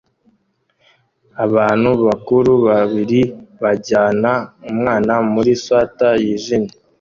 Abantu bakuru babiri bajyana umwana muri swater yijimye